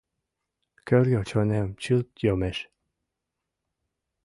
Кӧргӧ чонем чылт йомеш.